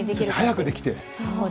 早くできて。